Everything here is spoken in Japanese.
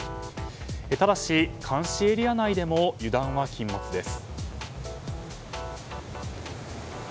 ただし、監視エリア内でも油断は禁物です。